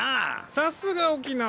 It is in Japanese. さすが沖縄。